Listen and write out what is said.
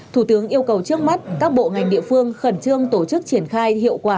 thủ tướng yêu cầu trước mắt các bộ ngành địa phương khẩn trương tổ chức triển khai hiệu quả